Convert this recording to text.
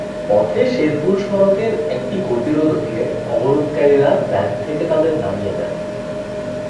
পথে শেরপুর সড়কের একটি গতিরোধকে অবরোধকারীরা ভ্যান থেকে তাদের নামিয়ে দেন।